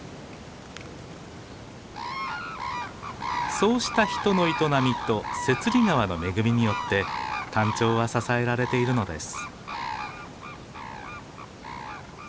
そうした人の営みと雪裡川の恵みによってタンチョウは支えられているのです。